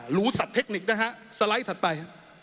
รู้สัตว์เทคนิคนะฮะสไลด์ถัดไป